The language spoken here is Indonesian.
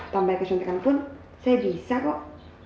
sampai kesontekan pun saya bisa kok